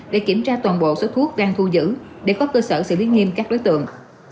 để kiểm tra toàn bộ số thuốc đang thu giữ để có cơ sở xử lý nghiêm các đối tượng